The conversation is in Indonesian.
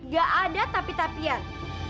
gak ada tapi tapian